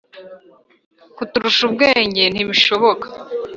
kuturusha ubwenge ntibishoboka.